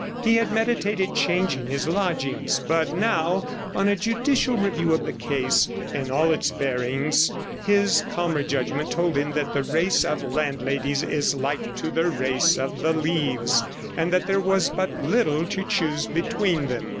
He had meditated changing his lodgings; but now, on a judicial review of the case in all its bearings, his calmer judgment told him that the race of landladies is like to the race of the leaves, and that there was but little to choose between them.